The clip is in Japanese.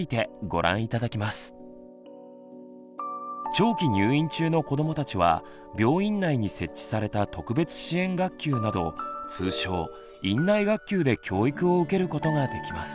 長期入院中の子どもたちは病院内に設置された特別支援学級など通称「院内学級」で教育を受けることができます。